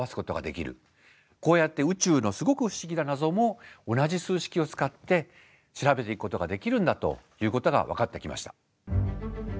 こうやって宇宙のすごく不思議な謎も同じ数式を使って調べていくことができるんだということが分かってきました。